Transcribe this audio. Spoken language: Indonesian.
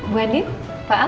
bu adit pak al